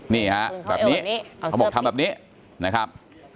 นี่ฮะแบบนี้เขาบอกทำแบบนี้นะครับ